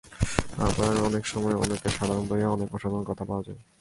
আবার অনেক সময় অনেক সাধারণ বইয়েও অনেক অসাধারণ কথা পাওয়া যায়।